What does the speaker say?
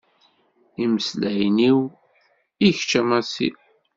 Imeslayen-iw i kečč a Masi.